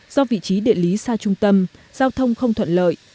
do vị trí địa lý xa trung tâm giao thông không thuận lợi